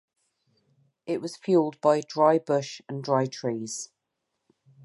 It was fueled by dry bush and dry trees.